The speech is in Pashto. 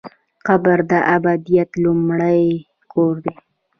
قبر د ابدیت لومړی کور دی